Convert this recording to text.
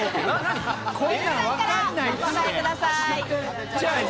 ウエンツさんからお答えください。